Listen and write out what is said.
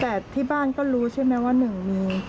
แต่ที่บ้านก็รู้ใช่ไหมว่าหนึ่งมีประวัติอะไรอย่างนี้